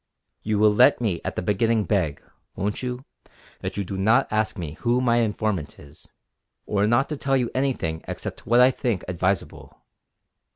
You will let me at the beginning beg, won't you, that you do not ask me who my informant is, or not to tell you anything except what I think advisable."